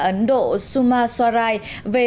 ấn độ suma swarai về